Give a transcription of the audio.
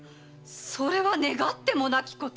それは願ってもなきこと！